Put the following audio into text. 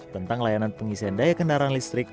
tentang layanan pengisian daya kendaraan listrik